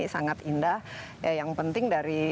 sangat indah yang penting dari